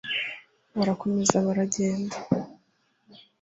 barakomeza baragenda